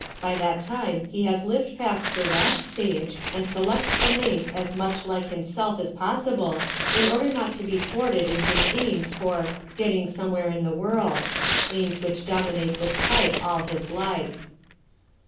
By that time he has lived past the rash stage and selects a mate as much like himself as possible, in order not to be thwarted in his aims for "getting somewhere in the world" aims which dominate this type all his life.